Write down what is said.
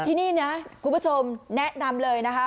ที่นี่นะคุณผู้ชมแนะนำเลยนะคะ